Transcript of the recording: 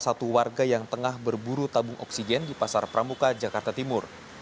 satu warga yang tengah berburu tabung oksigen di pasar pramuka jakarta timur